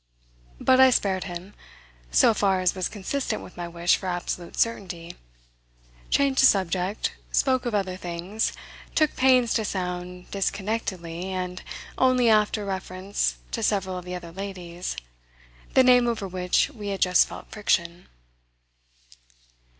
But I spared him so far as was consistent with my wish for absolute certainty; changed the subject, spoke of other things, took pains to sound disconnectedly, and only after reference to several of the other ladies, the name over which we had just felt friction.